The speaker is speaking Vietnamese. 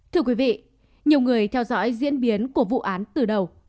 thưa quý vị nhiều người theo dõi diễn biến của vụ án từ đầu